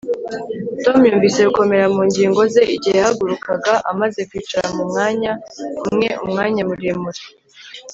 Tom yumvise gukomera mu ngingo ze igihe yahagurukaga amaze kwicara mu mwanya umwe umwanya muremure